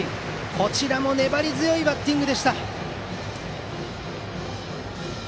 こちらも粘り強いバッティング。